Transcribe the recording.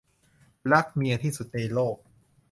รักเมียที่สุดในโลก